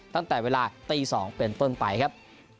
ตั้งแต่เวลาตี๒เป็นต้นไปครับ